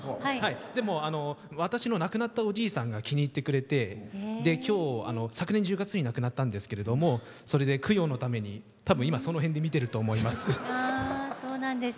でも、私の亡くなったおじいさんが気に入ってくれて昨年１０月に亡くなったんですけどそれで供養のために、たぶん今その辺で見てると思います。